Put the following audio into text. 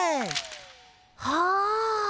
はあ。